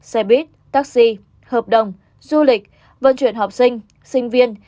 xe buýt taxi hợp đồng du lịch vận chuyển học sinh sinh viên